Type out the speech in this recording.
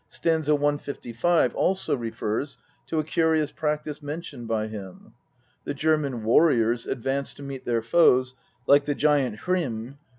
St. 155 also refers to a curious practice mentioned by him. The German warriors advanced to meet their foes, like the giant Hrym (p.